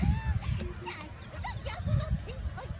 さっすがギャグのてんさい！